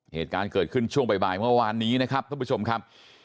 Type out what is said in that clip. เหตุการณ์เกิดขึ้นช่วงบ่ายเมื่อวานนี้นะครับท่านผู้ชมครับ